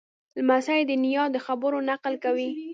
لمسی د نیا د خبرو نقل کوي.